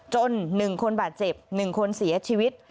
จนหนึ่งคนบาดเจ็บหนึ่งคนเสียชีวิต